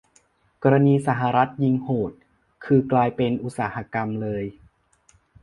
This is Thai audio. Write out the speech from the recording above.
กรณีสหรัฐยิ่งโหด คือกลายเป็นอุตสาหกรรมเลย